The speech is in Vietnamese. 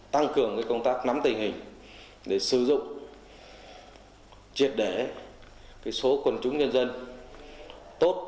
tăng cường công tác nắm tình hình để sử dụng triệt để số quần chúng nhân dân tốt